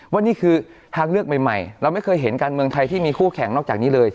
ว่านี่คือทางเลือกใหม่เราไม่เคยเห็นการเมืองไทยที่มีคู่แข่งนอกจากนี้เลย